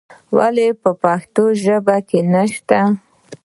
ولې پښتو ژبه په کې نه شته.